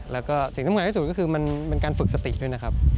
แล้วก็สิ่งที่สุดคือคือมันเป็นการฝึกสติด้วยนะครับ